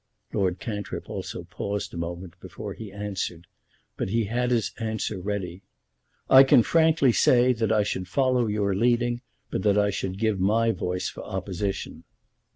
Lord Cantrip also paused a moment before he answered, but he had his answer ready. "I can frankly say that I should follow your leading, but that I should give my voice for opposition."